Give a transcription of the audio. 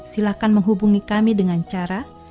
silahkan menghubungi kami dengan cara